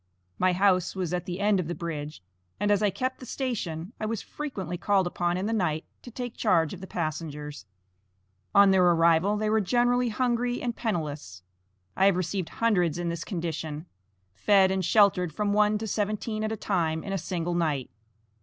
My house was at the end of the bridge, and as I kept the station, I was frequently called up in the night to take charge of the passengers. On their arrival they were generally hungry and penniless. I have received hundreds in this condition; fed and sheltered from one to seventeen at a time in a single night.